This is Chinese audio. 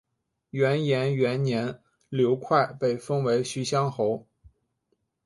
元延元年刘快被封为徐乡侯。